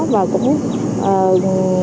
và cũng tự nhiên